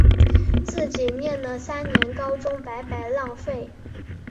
自己念了三年高中白白浪费